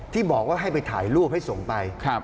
ที่บอกว่าให้ไปถ่ายรูปให้ส่งไป